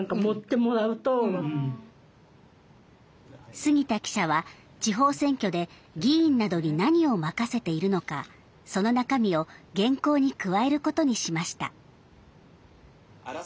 杉田記者は地方選挙で議員などに何を任せているのかその中身を原稿に加えることにしました。